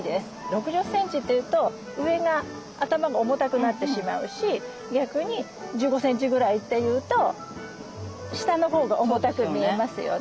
６０センチというと上が頭が重たくなってしまうし逆に１５センチぐらいというと下のほうが重たく見えますよね。